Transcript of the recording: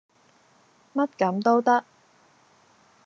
乜咁都得